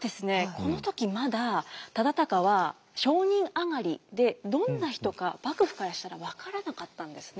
この時まだ忠敬は商人上がりでどんな人か幕府からしたら分からなかったんですね。